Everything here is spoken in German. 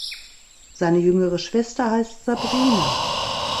Seine jüngere Schwester heisst "Sabrina".